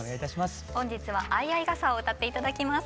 本日は「相合い傘」を歌って頂きます。